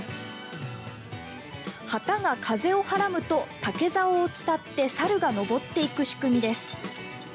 旗が風をはらむと竹ざおを伝って猿が上っていく仕組みです。